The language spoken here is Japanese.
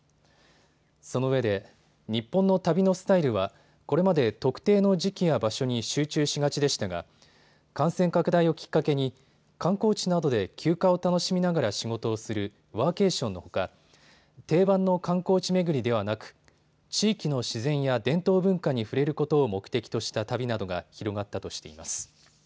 そのうえで日本の旅のスタイルはこれまで特定の時期や場所に集中しがちでしたが感染拡大をきっかけに観光地などで休暇を楽しみながら仕事をするワーケーションのほか定番の観光地巡りではなく地域の自然や伝統文化に触れることを目的とした旅などが広がったとしています。